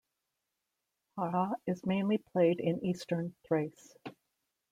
Hora is mainly played in Eastern Thrace.